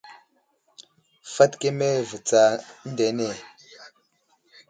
Fat keme ve tsa eŋdene ?